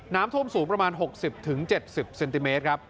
น้ำท่วมสูงประมาณ๖๐๗๐เซนติเมตรครับ